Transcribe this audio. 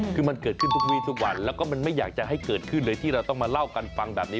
คือมันเกิดขึ้นทุกวีทุกวันแล้วก็มันไม่อยากจะให้เกิดขึ้นเลยที่เราต้องมาเล่ากันฟังแบบนี้